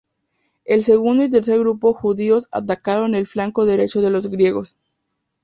El segundo y tercer grupo judíos atacaron el flanco derecho de los griegos.